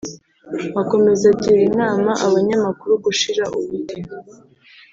Akomeza agira inama abanyamakuru gushira ubute